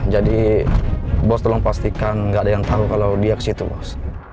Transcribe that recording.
jadi bos tolong pastikan gak ada yang tahu kalau dia ke situ bos